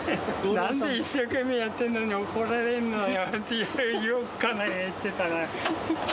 なんで一生懸命やってるのに、怒られるのってよく家内が言ってたな。